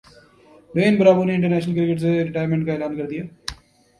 ڈیوین Bravo نے international cricket سے retirement کا اعلان کردیا